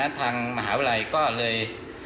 ทางมหาวิทยาลัยก็เลย